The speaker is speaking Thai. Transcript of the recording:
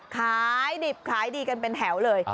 ขายดิบขายดีกันเป็นแถวเลย